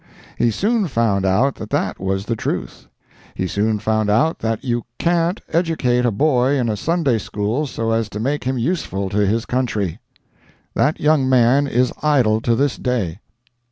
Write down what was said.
He soon found out that that was the truth. He soon found out that you can't educate a boy in a Sunday school so as to make him useful to his country. That young man is idle to this day.